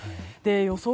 予想